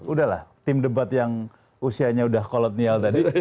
udah lah tim debat yang usianya udah kolotnial tadi